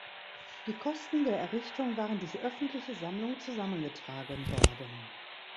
Die Kosten der Errichtung waren durch öffentliche Sammlung zusammengetragen worden.